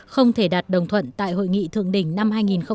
không thể đạt đồng thuận tại hội nghị thượng đỉnh năm hai nghìn một mươi sáu